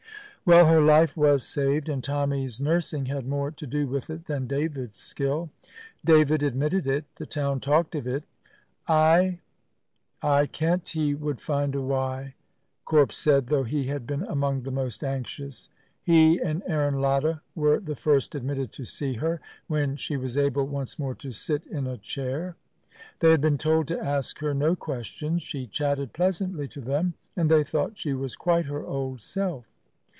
Well, her life was saved, and Tommy's nursing had more to do with it than David's skill. David admitted it; the town talked of it. "I aye kent he would find a wy," Corp said, though he had been among the most anxious. He and Aaron Latta were the first admitted to see her, when she was able once more to sit in a chair. They had been told to ask her no questions. She chatted pleasantly to them, and they thought she was quite her old self.